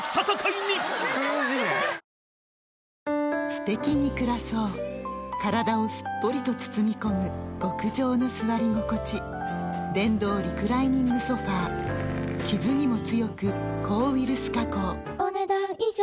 すてきに暮らそう体をすっぽりと包み込む極上の座り心地電動リクライニングソファ傷にも強く抗ウイルス加工お、ねだん以上。